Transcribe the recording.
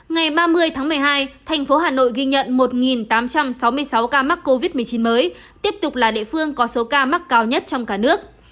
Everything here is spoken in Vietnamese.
ngày ba mươi tháng một mươi hai thành phố hà nội ghi nhận một tám trăm sáu mươi sáu ca mắc covid một mươi chín mới tiếp tục là địa phương có số ca mắc cao nhất trong cả nước